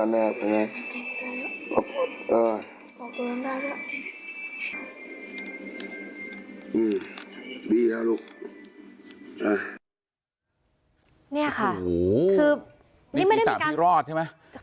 นี่ค่ะนี่ศีรษะพี่รอดใช่ไหม